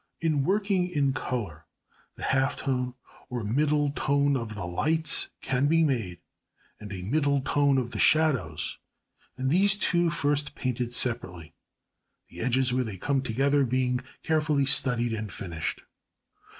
In working in colour the half tone or middle tone of the lights can be made, and a middle tone of the shadows, and these two first painted separately, the edges where they come together being carefully studied and finished.